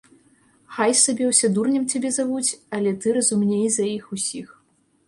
Хай сабе ўсе дурнем цябе завуць, але ты разумней за іх усіх.